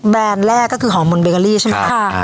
แบรนด์แรกก็คือหอมมนต์เบเกอรี่ใช่ไหมครับ